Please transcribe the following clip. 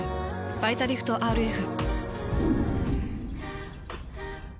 「バイタリフトＲＦ」。